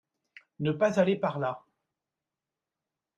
Ne pas aller par là !